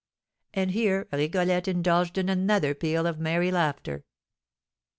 And here Rigolette indulged in another peal of merry laughter.